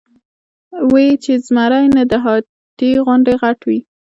وې ئې چې زمرے نۀ د هاتي غوندې غټ وي ،